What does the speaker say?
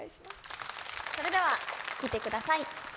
それでは聴いてください